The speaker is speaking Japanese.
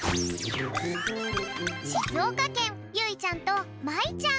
しずおかけんゆいちゃんとまいちゃん。